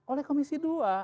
oleh komisi dua